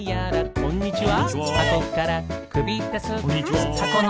こんにちは！